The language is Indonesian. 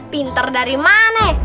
pinter dari mana